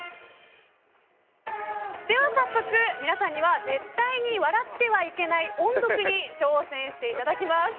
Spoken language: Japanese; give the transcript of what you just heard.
早速、皆さんには絶対に笑ってはいけない音読に挑戦していただきます。